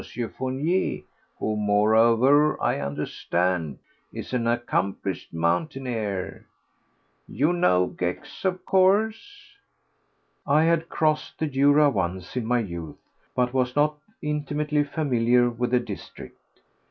Fournier, who moreover, I understand, is an accomplished mountaineer. You know Gex, of course?" I had crossed the Jura once, in my youth, but was not very intimately familiar with the district.